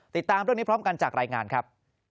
ติดตามเรื่องนี้พร้อมกันจากรายงานครับ